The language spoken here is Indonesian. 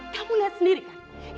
kamu lihat sendiri kan